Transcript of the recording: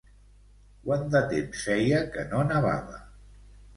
Quant de temps feia que no nevava?